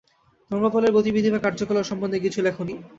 ধর্মপালের গতিবিধি বা কার্যকলাপ সম্বন্ধে কিছু লেখনি।